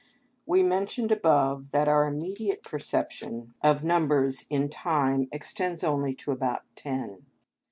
We mentioned above that our immediate perception of numbers in time extends only to about ten.